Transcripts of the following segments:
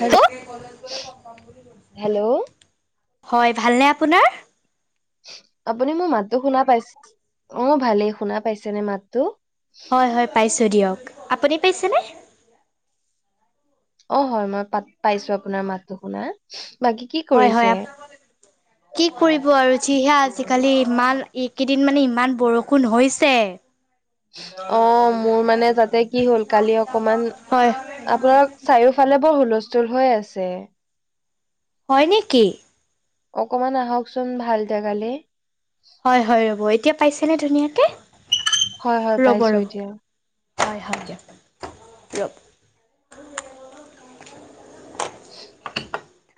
Hello hello হয়, ভালনে আপোনাৰ? আপুনি মোৰ মাতটো শুনা পাইছে অঁ ভালেই শুনা পাইছেনে মাতটো? হয় হয় পাইছোঁ দিয়ক, আপুনি পাইছেনে? অ হয় মই পাত পাইছো অপোনাৰ মাতটো শুনা। বাকী কি হয় হয়, কৰিছে? কি কৰিব আৰু যিহে আজিকালি ইমাল কেইদিন মানে ইমান বৰষুণ হৈছে। অ মোৰ মানে তাতে কি হ'ল কালি অকমান হয়। আপোনাৰ চাৰিওফালে বৰ হুলস্থুল হৈ আছে। হয় নেকি? অকমান আহকচোন ভাল জাগালে। হয় হয় ৰ'ব এতিয়া পাইছেনে ধুনীয়াকে, হয় হয় ৰ'ব পাইছো ৰ'ব। এতিয়া। হয় হয় দিয়ক ৰব। [inaudible]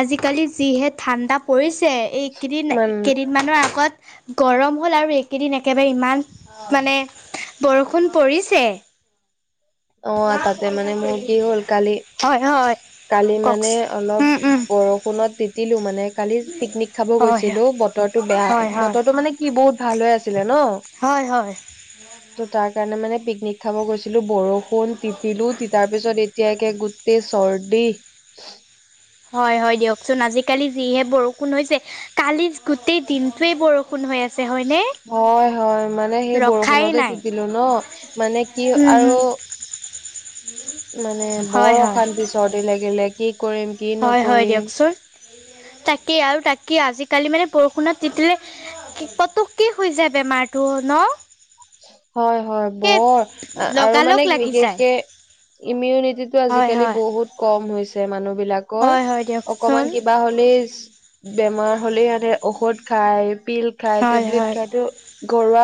আজিকালি যিহে ঠাণ্ডা পৰিছে এইকেইদিন মান কেইদিন মানৰ আগত গৰম হ'ল আৰু এইকেইদিন একেবাৰে ইমান মানে বৰষুণ পৰিছে। অঁ' তাতে মানে মোৰ কি হ'ল কালি হয় হয়। কালি মানে অলপ কওকচোন উম উম বৰষুণত তিতিলো মানে। কালি পিকনিক খাব হয় হয় গৈছিলো বতৰটো বেয়া, হয় হয় বতৰটো মানে কি বহুত ভাল হৈ আছি লে ন' হয় হয় ত' তাৰ কাৰণে মানে পিকনিক খাব গৈছিলো বৰষুণ ষুণ তিতিলো, তিতাৰ পিছত এতিয়া একে গোটেই চৰ্দি। হয় হয় দিয়কচোন, আজিকালি যিহে বৰষুণ হৈছে কালি গোটেই দিনটোৱে বৰষুণ হৈ আছে। হয়নে হয় হয় মানে সেই ৰখাই বৰষুণতে নাই তিতিলো ন' মানে কি উম আৰু হম মানে হয় বৰ হয় অশান্তি চৰ্দি লাগিলে, কি কৰিম কি হয় হয় নকৰিম। দিয়কচোন তাকেই আৰু তাকে আজিকালি মানে বৰষুণত তিতিলে পতককে হয় যায় বেমাৰটো ন'। হয় হয়, সেই বৰ আৰু লগালগ মানে লাগি যায় বিশেষকে ইমিউনিটি টো হয় আজিকালি হয় বহুত কম হৈছে মানুহ বিলাকৰ, হয় হয় দিয়কচোন অকমান কিবা হ'লেই বেমাৰ হ'লে মানে ঔষধ খায়, পিল খাই, হয় হয় টেবলেট খাই- ঘৰুৱা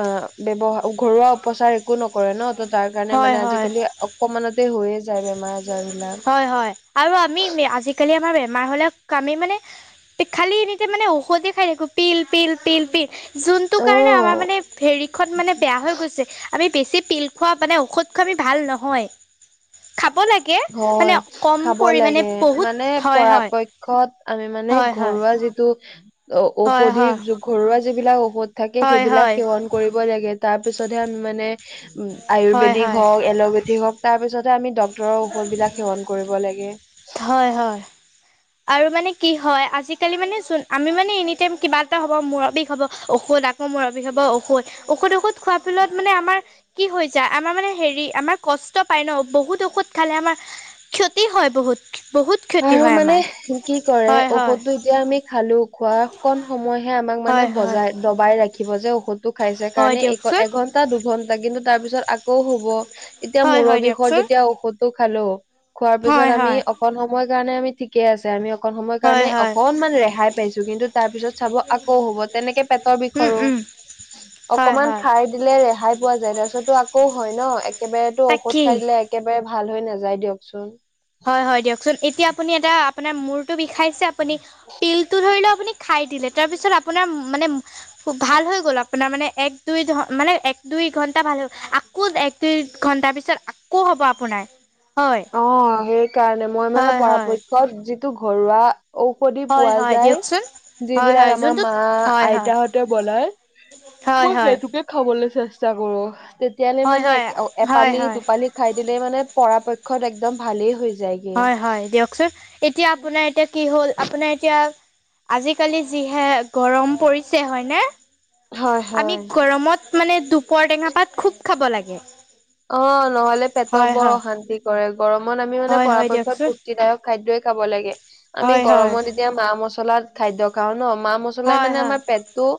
অঁ' ব্যৱহাৰ ঘৰুৱা উপচাৰ একো নকৰে ন' ত' তাৰ কাৰণে হয় মানে হয় আজিকালি অকমানতে হৈয়ে যায় বেমাৰ আজাৰ বিলাক। হয় হয়। আৰু আমি আজিকালি আমাৰ বেমাৰ হ'লেই আমি মানে- খালি এনি টাইম মানে ঔষধে খাই থাকো পিল পিল পিল পিল। যোনটো অ কাৰণে আমাৰ মানে হেৰিখন মানে বেয়া হৈ গৈছে। আমি বেছি পিল খোৱা মানে ঔষধ খোৱা আমি ভাল নহয়। খাব লাগে। মানে হয় কম খাব পৰিমাণে লাগে, বহুত মানে হয় হয় পৰাপক্ষত আমি মানে হয় হয় ঘৰুৱা যিটো অ', হয় ঔষধি যো ঘৰুৱা যিবিলাক ঔষধ থাকে হয় সেইবিলাক হয় সেৱন কৰিব লাগে। তাৰ পিছতহে আমি মানে হয় হয় আয়ুৰ্বেদিক হয় হওঁক, এল'পেথিক হওক তাৰ পিছতে আমি ডক্তৰৰ ঔষধ বিলাক সেৱন কৰিব লাগে। হয় হয়। আৰু মানে কি হয়, আজিকালি মানে চোন আমি মানে এনি টাইম কিবা এটা হ'ব, মূৰ বিষ হ'ব, ঔষধ মূৰ বিষ হ'ব ঔষধ-ঔষধ-ঔষধ খোৱাৰ ফলত মানে আমাৰ কি হৈ যায়, আমাৰ মানে হেৰি আমাৰ কষ্ট পাই ন' বহুত ঔষধ খালে আমাৰ ক্ষতি হয় বহুত, বহুত ক্ষতি আৰু হয় মানে আমাৰ। কি কৰে হয় হয় ঔষধটো এতিয়া আমি খালো, খোৱা অকণ সময়হে আমাক মানে হয় হয় বজাই দবাই ৰাখিব যে ঔষধটো খাইছে হয় কাৰণে দিয়কচোন এঘন্টা দুঘণ্টা কিন্তু তাৰ পিছত আকৌ হ'ব, এতিয়া হয় মূৰৰ হয় বিষত দিয়কচোন যেতিয়া ঔষধটো খালো, খোৱাৰ পিছত হয় আমি হয় অকণ সময়ৰ কাৰণে আমি ঠিকে আছে। আমি অকন সময়ৰ হয় কাৰণে হয় অকনমান ৰেহাই পাইছো। কিন্তু তাৰ পিছত চাব আকৌ হ'ব তেনেকে পেটৰ উম বিষৰো। উম হয় অকমান হয় খাই দিলে ৰেহাই পোৱা যায় তাৰ পিছতো আকৌ হয় ন। একেবাৰেতো ঔষধ তাকেই খাই দিলে একেবাৰে ভাল হৈ নাযায় দিয়কচোন। হয়, হয়, দিয়কচোন! এতিয়া আপুনি এটা আপোনাৰ মূৰটো বিষাইছে আপুনি পিলটো ধৰি ল আপুনি খাই দিলে তাৰপিছ আোনাৰ মানে ভাল হৈ গ'ল আপোনাৰ মানে এক দুই মানে এক দুই ঘণ্টা ভাল হৈ হ'ল। আকৌ এক দুই ঘণ্টাৰ পিছত আকৌ হ'ব আপোনাৰ হয়। অ', সেইকাৰণে মই মানে হয় হয় পৰাপক্ষত যিটো ঘৰুৱা ঔষধি হয় পোৱা হয় যায় দিয়কচোন হয় হয় যিবিলাক আমাৰ যোনটোত মা হয় হয় আইতাহঁতে বনাই। হয়, মই হয়। সেইটোকে খাবলৈ চেষ্টা কৰো। তেতিয়ালৈ হয় মানে হয় হয় এপালি হয় দুপালি খাই দিলে মানে পৰাপক্ষত একদম ভালেই হৈ যায়গে হয়, হয় দিয়কচোন! এতিয়া আপোনাৰ এতিয়া কি হ'ল আপোনাৰ এতিয়া আজিকালি যিহে গৰম পৰিছে হয়নে? হয় আমি হয় গৰমত মানে দুপৰ টেঙা পাত খুব খাব লাগে। অ', নহ'লে পেটৰ হয় বৰ হয় অশান্তি কৰে। গৰমত আমি মানে হয় হয় পৰাপক্ষত দিয়কচোন পুষ্টিদায়ক খাদ্যই খাব লাগে। আমি হয় হয় গৰমত এতিয়া মা মছলা খাদ্য খাওঁ ন, মা মছলা হয় মানে হয় আমাৰ পেটটো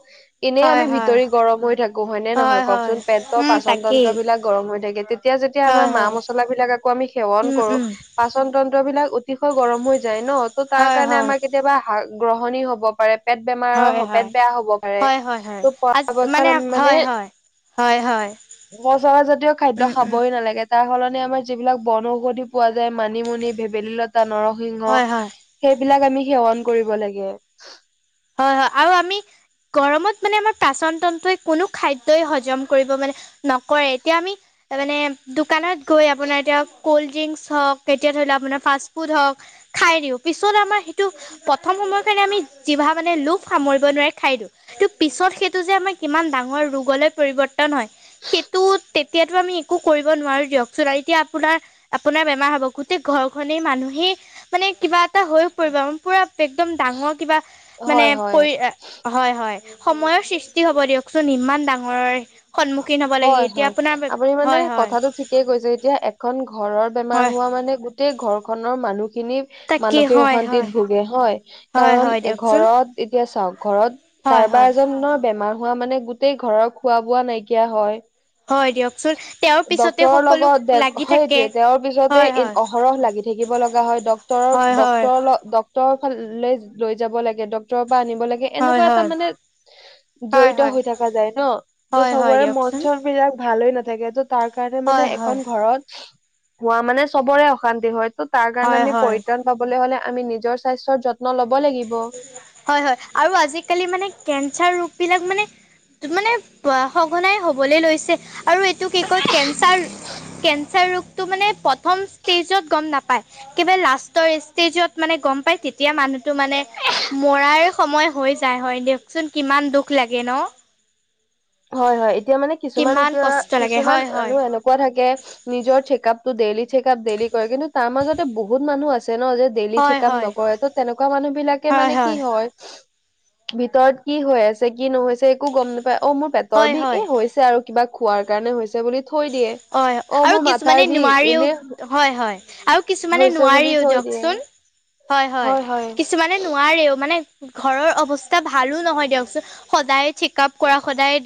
এনেই হয় আমি হয় ভিতৰি গৰম হৈ থাকো হয় নে নহয় হয় কওকচোন পেটৰ উম পাচন তাকেই তন্ত্ৰবলাক গৰম হৈ থাকে। তেতিয়া যেতিয়া হয় আমাৰ মা হয় মছলাবিলাক আকৌ আমি সেৱন উম কৰো। উম বাচন তন্ত্ৰবিলাক অতিশয় গৰম হৈ যায় ন। ত' তাৰ হয় কাৰণে হয় আমাৰ কেতিয়াবা গ্ৰহণী হ'ব পাৰে। পেট হয় বেমাৰৰ পেট হয় বেয়া হ'ব পাৰে। হয় হয় হয় ত' আজ পৰাপক্ষত আমি মানে হয় হয় হয় হয় সচৰাজাতীয় খাদ্য উম উম খাবই নালাগে। তাৰ সলনি আমাৰ যিবিলাক বন ঔষধি পোৱা যায় মানিমুনি, ভেবেলী লতা, নৰসিংহ হয় হয় সেইবিলাক আমি সেৱন কৰিব লাগে। হয়, হয়, আৰু আমি গৰমত মানে আমাৰ পাচন তন্ত্ৰয়ে কোনো খাদ্যি হজম কৰিব মানে নকৰে, এতিয়া আমি মানে দোকানত গৈ আপোনাৰ এতিয়া কল্ড ড্ৰিংকচ হওঁক। তেতিয়া ধৰি লওঁ আপোনাৰ ফাষ্ট ফুড হওঁক খাই দিওঁ। পিছত আমাৰ সেইটো প্ৰথম সময় কাৰণে আমি জিভা মানে লোভ সামৰিব নোৱাৰে খাই দিওঁ। কিন্তু পিছত সেইটো যে আমাৰ কিমান ডাঙৰ ৰোগলৈ পৰিৱৰ্তন হয়। সেইটো তেতিয়াতো আমি একো কৰিব নোৱাৰো দিয়কচোন আৰু এতিয়া আপোনাৰ আপোনাৰ বেমাৰ হ'ব গোটেই ঘৰখনে মানুহেই মানে কিবা টা হৈ পৰিব মী পুৰা একদম ডাঙৰ কিবা মানে হয় হয় পৰি হয়, হয়, সময়ৰ সৃষ্টি হ'ব দিয়কচোন ইমান ডাঙৰ সন্মুখীন হ'ব লাগে। হয় এতিয়া হয় আপোনাৰ আপুনি মানে হয় হয় কথাটো ঠিকেই কৈছে। এতিয়া এখন ঘৰৰ বেমাৰ হয় হোৱা মানে গোটেই ঘৰখনৰ মানুহখিনি তাকেই মানসিক হয় হয় অশান্তিত ভোগে হয়। হয় কাৰণ হয় দিয়কচোন ঘৰত এতিয়া চাওঁক ঘৰত হয় কাৰোবাৰ হয় এজনৰ বেমাৰ হোৱা মানে গোটেই ঘৰৰ খোৱা বোৱা নাইকিয়া নাইকিয়া হয়। হয়, দিয়ক। ডক্টৰ লগত দে থাকে সেইটোয়ে তেওঁৰ পিছতে হয় ই হয় অহৰহ লাগি থাকিব লগা হয়। ড হয় হয় ডক্টৰ-ডক্টৰ-ডক্টৰ ফালে লৈ যাব লাগে ডক্টৰ পৰা আনিব লাগে। হয় এনেকুৱা হয় এটা মানে হয় জড়িত হয় হৈ থকা যায় ন। ত' হয় হয় চবৰে মন দিয়কচোন চনবিলাক ভাল হৈ নাথাকে। ত' তাৰ কাৰণে মানে হয় হয় এখন ঘৰত হোৱা মানে চবৰে অশান্তি হয়। ত' তাৰ কাৰণে হয় আমি হয় পৰিত্ৰাণ পাবলৈ হ'লে আমি নিজৰ স্বাস্থ্যৰ যত্ন ল'ব লাগিব। হয়, হয়, আৰু আজিকালি মানে কেঞ্চাৰ ৰোগবিলাক মানে মানে সঘনাই হ'বলৈ লৈছে। আৰু এইটো কি কয় কেঞ্চাৰ কেঞ্চাৰ ৰোগটো মানে প্ৰথম ষ্টেজত গম নাপায়। একেবাৰে লাষ্টৰ ষ্টেজত মানে গম পাই তেতিয়া মানুহটো মানে মৰাৰ সময় হৈ যায় হয় দিয়কচোন, কিমান দুখ লাগে ন? হয় হয় এতিয়া মানে কিছুমান কিমান এতিয়া কষ্ট লাগে কিছুমান হয় হয় আৰু এনক থাকে নিজৰ চেকআপটো ডেইলি চেকআপ ডেইলি কৰে, কিন্তু তাৰ মাজতে বহুত মানুহ আছে ন যে ডেইলি হয় চেকাআপ হয় নকৰে ত তেনেকুৱা মানুহ বিলাকে মানে কি হয় ভিতৰত কি হৈ আছে কি নহৈছে একো গম নাপাই, অ মোৰ পেটৰ হয় বিষ হয় এই হৈছে আৰু কিবা খোৱাৰ কাৰণে হৈছে বুলি থৈ দিয়ে। অঁ অ আৰু মোৰ মাথাৰ কিছুমানে বিষ নোৱাৰিও এনে হয় হয় আৰু কিছুমানে হৈছে বুলি নোৱাৰিও থৈ দিয়ে দিয়কচোন। হয় হয় কিছুমানে নোৱাৰেও মানে ঘৰৰ অৱস্থা ভালো নহয় দিয়কচোন, সদায় চেকাপ কৰা সদায়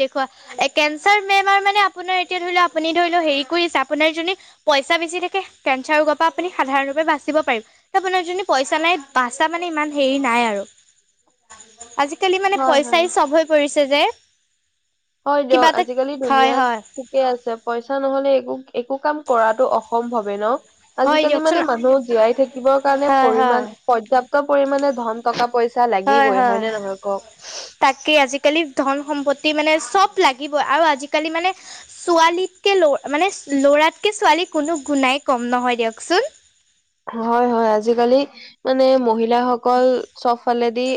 কেঞ্চাৰ বেমাৰ মানে আপোনাৰ এতিয়া ধৰি ল আপুনি ত হেৰি কৰিছে আপোনাৰ যোনে পইচা বেচি থাকে কেঞ্চাৰ ৰোগৰ পৰা আপুনি সাধাৰণ ৰূপে বাচিব পাৰিব। আপোনাৰ যোনে পইছা নাই বাচা মানে ইমান হেৰি নাই আৰু। আজিকালি মানে হয় হয় পইচাই চব হৈ পৰিছে যে। হয় দিয়ক কিবা এটা আজিকালি হয় দুুনিয়াত হয় ঠিকেই আছে, পইচা নহলে একো একো কাম কৰাতটো অসম্ভৱে ন? হয় আজিকালি দিয়কচোন মানে মানুহক জীয়াই থাকিবৰ কাৰণে হয় হয় পৰিমান পৰ্যাপ্ত পৰিমানে ধন টকা পইচা পইচা লাগিবই হয়নে নহয় কওক? তাকে আজিকালি ধন সম্পত্তি মানে চব লাগিবই, আৰু আজিকালি মানে ছোৱালী ল মানে ল'ৰাতকে ছোৱালী কোনো গুণাই কম নহয় দিয়কচোন। হয় হয় আজিকালি মানে মহিলাসকল সবফালেদি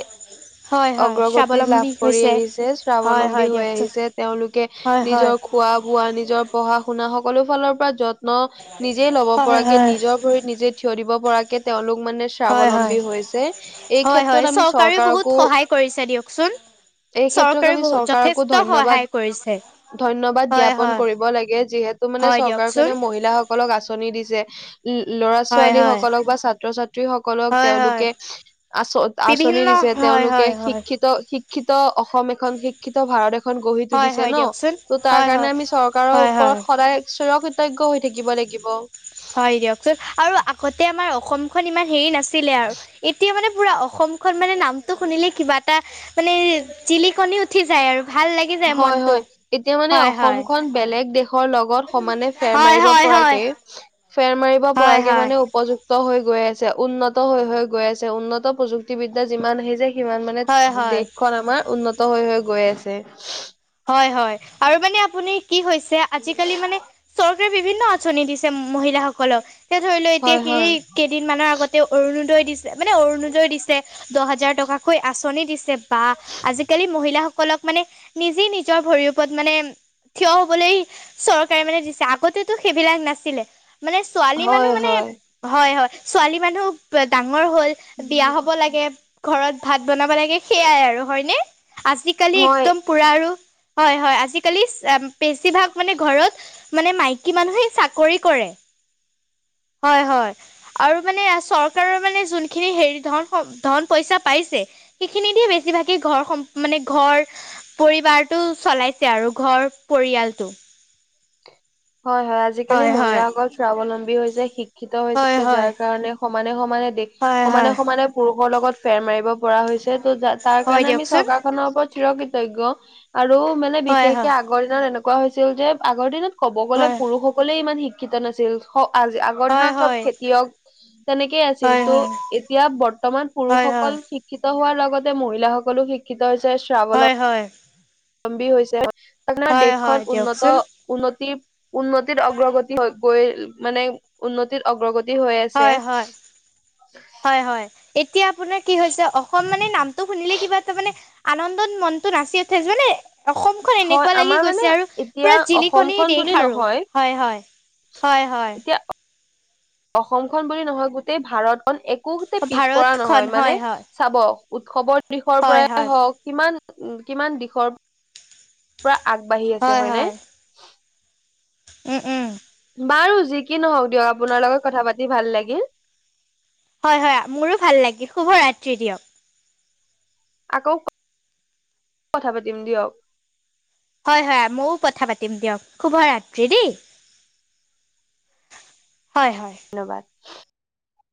হয় হয় অগ্ৰগতি লাভ স্বাৱলম্বী কৰি হৈছে আহিছে, হয় স্বাৱলম্বী হয় হৈ দিয়কচোন আহিছে, তেওঁলোকে হয় হয়। নিজৰ খোৱা বোৱা নিজৰ পঢ়া শুনা সকলো ফালৰ পৰা যত ন নিজেই লব হয় পৰাকে হয় নিজৰ ভৰিত নিজে থিয় দিব পৰাকে তেওঁলোক মানে হয় হয়। স্বাৱলম্বী হৈছে। এই হয় ক্ষেত্ৰত হয় আমি চৰকাৰেও চৰকাৰকো বহুত সহায় কৰিছে দিয়কচোন। এই ক্ষেত্ৰক চৰকাৰে আমি বহুত চৰকাৰকো যথেষ্ট ধন্যবাদ সহায় কৰিছে। ধন্যবাদ হয় জ্ঞাপন হয়। কৰিব লাগে যিহেত তু মানে হয় দিয়কচোন। চৰকাৰখনে মহিলা সকলক আঁচনি দিছে। উম ল'ৰা হয় ছোৱালী হয় সকলক বা ছাত্ৰ ছাত্ৰী সকলক হয় হয় তেওঁলোকে আচ আঁচনি বিভিন্ন দিছে হয় তেওঁলোকে হয় হয় ত শিক্ষিত অসম এখন শিক্ষিত ভাৰত এখন খন গঢ়ি হয় তুলিছে হয় ন, দিয়কচোন ত' তাৰ হয় হয় কাৰণে আমি চৰকাৰৰ হয় হয়। ওপৰত সদায় স্বয় কৃতজ্ঞ হৈ থাকিব লাগিব। হয় দিয়কচোন, আৰু আগতে আমাৰ অসমখন ইমান হেৰি নাছি ছিলে আৰু এতিয়া মানে পোৰা অসম অসমখন মানে নামটো শুনিলে কিবা এটা মানে জিলিকনি উঠি যায় আৰু। ভাল লাগি হয় মনটো। হয় এতিয়া মানে হয় হয় অসমখন বেলেগ দেশৰ লগত সমানে ফেৰ হয় মাৰিব হয় হয় পৰাকে ফেৰ মাৰিব হয় হয় পৰাকে হয় মানে উপযুক্ত ত হৈ গৈ আছে উন্নত হৈ হৈ গৈ আছে, উন্নত প্ৰযুক্তিবিদ্যা যিমান আহি যায় সিমান মানে হয় হয়। দেশখন আমাৰ উন্নত হৈ হৈ গৈ আছে। হয় হয় আৰু মানে আপুনি কি হৈছে আজিকালি মানে চৰকাৰে বিভিন্ন আঁচনি দিছে মহিলাসকলক, এতিয়া ধৰি ল এতিয়া হয় হয় হেৰি কেইদিনমানৰ আগতে অৰুণোদয় দিছে মানে অৰুণোদয় দিছে। দহ হাজাৰ টকাকৈ আঁচনি দিছে বাহ, আজিকালি মহিলাসকলক মানে নিজেই নিজৰ ভৰিৰ ওপত মানে- থিয় হবলৈ চৰকাৰে মানে দিছে আগতেতো সেইবিলাক নাছিলে। মানে ছোৱালী হয় মানুহ মানে হয় হয় হয়, ছোৱালী মানুহ- টোৱে ডাঙৰ হ'ল বিয়া হব লাগে ঘৰত ভাত বনাব লাগে সেইয়াই আৰু হয়নে? আজিকালি হয় একদম পুৰা আৰু হয় হয়, আজিকালি- বেছিভাগ মানে ঘৰত মানে মাইকী মানুহেই চাকৰি কৰে। হয় হয়। আৰু মানে চৰকাৰৰ মানে যোনখিনি সেই ধন ধন পইচা পাইছে- সেইখিনি দিয়ে বেছিভাগেই ঘৰ সম মানে ঘৰ- পৰিবাৰতটো চলাইছে আৰু ঘৰ পৰিয়ালটো। হয় হয়, আজিকালি মহিলাসকল স্বাৱলম্বী হৈছে শিক্ষিত হয় হৈছে হয় যাৰ কাৰণে, - সমানে সমানে দেক হয় সমানে হয় সমানে পুৰুষৰ লগত ফেৰ মাৰিব পৰা হৈছে। তে তো তাৰ হয় কাৰণে আমি দিয়কচোন চৰকাৰখনৰ ওপৰত চিৰ কৃতজ্ঞ আৰু মানে হয় বিশেষকে হয় আগ- আগৰ দিনত এনেকুৱা হৈছিল যে আগৰ দিনত ক'ব গ'লে হয় পুৰুষসকলে ইমান শিক্ষিত নাছিল আজ- আগৰ দিনত হয় চব হয় খেতিয়ক তেনেকেই আছিল হয় হয় হয় ত' এতিয়া বৰ্তমান হয় পুৰুষসকল শিক- শিক্ষিত হোৱাৰ লগতে মহিলাসকলো শিক্ষিত হৈছে শ্ৰাৱ- হয় হয়। অমবী হৈছে, আপোনাৰ হয় দেশখন হয় দিয়কচোন উন্নত- উন্নতি উন্নতিত অগ্ৰগতি হৈ গৈ মানে- উন্নতিত অগ্ৰগতি হৈ আছে। হয় হয় হয় হয়, এতিয়া আপোনাৰ কি হৈছে অসম মানে নামটো শুনিলে কিবা এটা মানে- আনন্দত মনটো নাচি উঠে জানে। অসমখন হয় এনেকুৱা লাগি আমাৰ মানে গৈছে আৰু এতিয়া পুৰা জিলিকনিৰ অসমখন বুলি দেশ আৰু, নহয় হয় হয়। হয় হয়। অসমখনন বুলি নহয় গোটেই ভাৰতখন একোহতে পিছপৰা ভাৰতখন নহয় হয় মানে- হয় চাব উৎসৱৰ দিশৰ হয় পৰাই হয় হওক কিমান উ কিমান দিশৰ- পৰা আগবাঢ়ি আছে হয় নে? উম উম' বাৰু যি কি নহওক দিয়ক আপোনাৰ লগত কথা পাতি ভাল লাগিল। হয় হয়, মোৰো ভাল লাগে শুভ ৰাত্ৰি দিয়ক। আকৌ ক কথা পাতিম দিয়ক। হয় হয়, ময়ো কথা পাতিম দিয়ক শুভ ৰাত্ৰি দেই। হয় হয়। ধন্যবাদ।